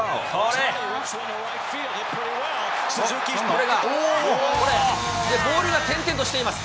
これがこれ、ボールが転々としています。